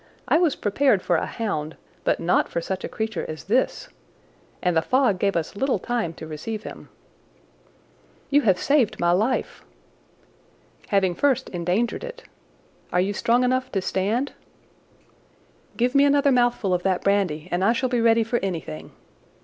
I was prepared for a hound, but not for such a creature as this. And the fog gave us little time to receive him." "You have saved my life." "Having first endangered it. Are you strong enough to stand?" "Give me another mouthful of that brandy and I shall be ready for anything.